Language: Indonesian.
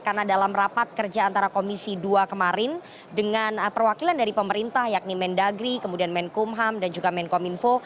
karena dalam rapat kerja antara komisi dua kemarin dengan perwakilan dari pemerintah yakni men dagri kemudian men kumham dan juga men kominfo